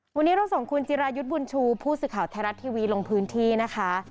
วันนี้เราส่งคุณจิรายุทธ์บุญชูผู้สื่อข่าวไทยรัฐทีวีลงพื้นที่นะคะ